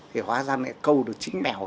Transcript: thì hóa ra này câu được chính mèo